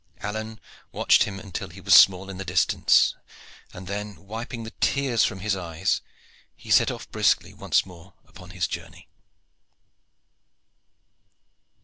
Alleyne watched him until he was small in the distance, and then, wiping the tears from his eyes, he set off briskly once more upon his journey.